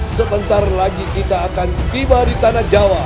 sebentar lagi kita akan tiba di tanah jawa